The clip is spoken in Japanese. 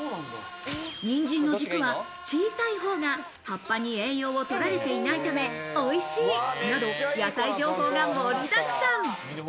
にんじんの軸は小さい方が葉っぱに栄養を取られていないため、おいしいなど野菜情報が盛りだくさん。